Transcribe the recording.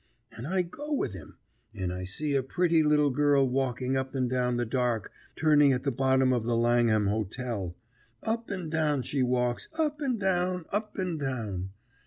And I go with him, and I see a pritty little girl walking up and down the dark turning at the bottom of the Langham Hotel. Up and down she walks, up and down, up and down.